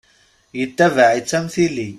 Yettabaɛ-itt am tili.